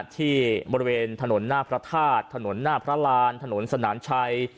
ที่บริเวณถนนหน้าพระธาตุถนนหน้าพระรานถนนสนามชัย